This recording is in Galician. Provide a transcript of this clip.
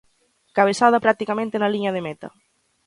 Cabezada practicamente na liña de meta.